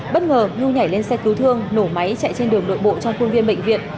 bất ngờ nhu nhảy lên xe cứu thương nổ máy chạy trên đường nội bộ trong khuôn viên bệnh viện